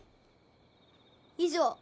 以上。